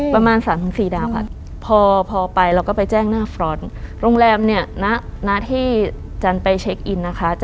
ประมาณ๓๔ดาวค่ะพอพอไปเราก็ไปแจ้งหน้าฟรอนต์โรงแรมเนี่ยณที่จันไปเช็คอินนะคะ